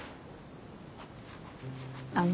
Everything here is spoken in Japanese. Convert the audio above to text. あの。